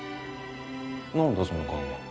何だその顔は。